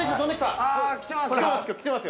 ◆あー、来てますよ！